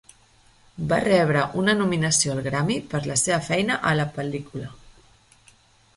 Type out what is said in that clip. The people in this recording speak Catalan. Va rebre una nominació al Grammy per la seva feina a la pel·lícula.